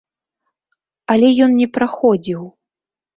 Але ён не праходзіў.